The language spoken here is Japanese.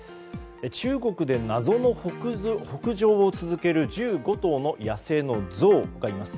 中国で謎の北上を続ける１５頭の野生のゾウがいます。